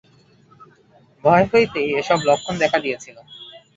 ভয় হইতেই এইসব লক্ষণ দেখা দিয়াছিল।